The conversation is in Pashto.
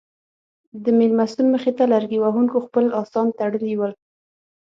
د مېلمستون مخې ته لرګي وهونکو خپل اسان تړلي ول.